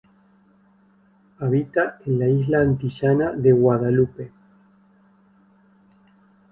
Habita en la isla antillana de Guadalupe.